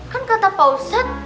kan kata pak ustad